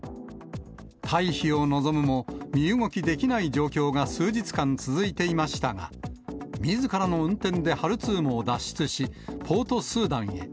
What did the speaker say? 退避を望むも、身動きできない状況が数日間続いていましたが、みずからの運転でハルツームを脱出し、ポートスーダンへ。